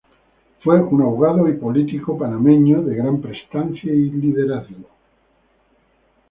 Fue un abogado y político panameño de gran prestancia y liderazgo.